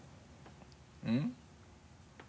うん？